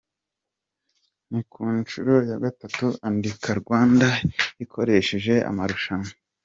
Ni ku nshuro ya gatatu “Andika Rwanda” ikoresheje amarushanwa.